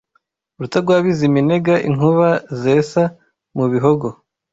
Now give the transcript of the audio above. Rutagwabiziminega Inkuba zesa mu bihogo